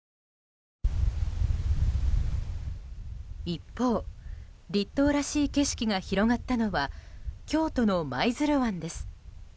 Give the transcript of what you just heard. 一方、立冬らしい景色が広がったのは京都の舞鶴湾です。